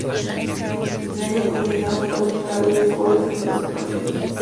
En ellos consiguió anotar un total de seis goles en doce partidos.